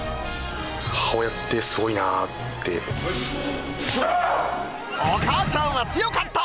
母親ってすごいなぁって。